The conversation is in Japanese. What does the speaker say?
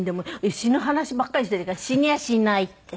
死ぬ話ばっかりしているから「死にゃしない」って。